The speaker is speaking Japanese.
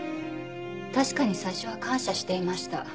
確かに最初は感謝していました。